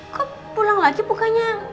kok pulang lagi bukanya